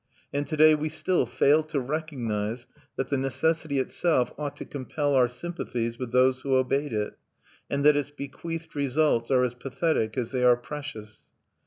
And to day we still fail to recognize that the necessity itself ought to compel our sympathies with those who obeyed it, and that its bequeathed results are as pathetic as they are precious.